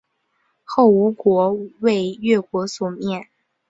后吴国为越国所灭。